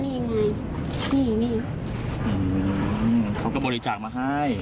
นี่ไงนี่นี่